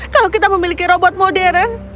kalau kita memiliki robot modern